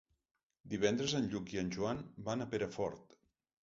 Divendres en Lluc i en Joan van a Perafort.